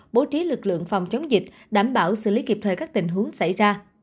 bố trí lực lượng phòng chống dịch đảm bảo xử lý kịp thời các tình huống xảy ra